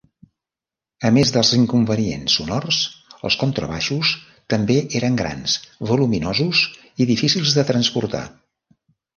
A més dels inconvenients sonors, els contrabaixos també eren grans, voluminosos i difícils de transportar.